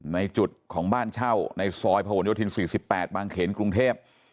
ในจุดของบ้านเช่าในซอยผนโยธิน๔๘บางเขนกรุงเทพ